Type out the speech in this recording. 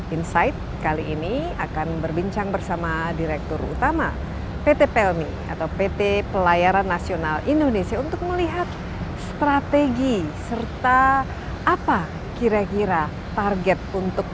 insight kali ini akan berbincang bersama direktur utama pt pelmi atau pt pelayaran nasional indonesia untuk melihat strategi serta apa kira kira target untuk